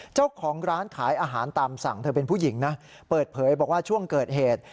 เจ้าของร้านขายอาหารตามสั่งเธอเป็นผู้หญิงนะเปิดเผยบอกว่าช่วงเกิดเหตุ